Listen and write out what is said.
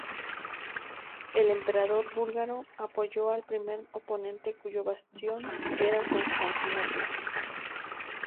El emperador búlgaro apoyó al primer oponente cuyo bastión era Constantinopla.